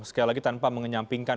sekali lagi tanpa menyampingkan